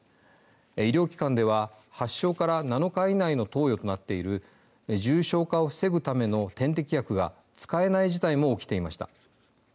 医療機関では発症から７日以内の投与となっている重症化を防ぐための点滴薬が使えない事態も起きていました。